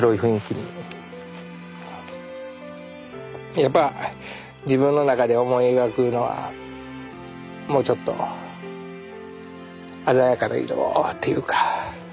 やっぱ自分の中で思い描くいうのはもうちょっと鮮やかな色っていうか。